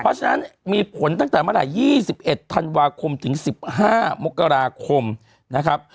เพราะฉะนั้นมีผลตั้งแต่เมื่อไหร่๒๑ธันวาคมถึง๑๕มกราคมนะครับ